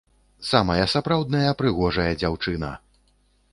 Самая сапраўдная прыгожая дзяўчына!